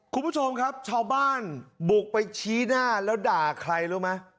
คุณผู้ชมครับชาวบ้านบุกไปชี้หน้าแล้วด่าใครรู้ไหม